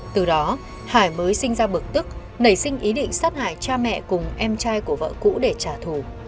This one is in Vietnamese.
từ đó hải mới sinh ra bực tức nảy sinh ý định sát hại cha mẹ cùng em trai của vợ cũ để trả thù